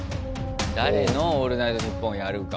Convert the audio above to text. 誰の「オールナイトニッポン」やるか。